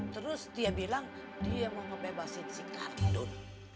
terus dia bilang dia mau ngebebasin si karenun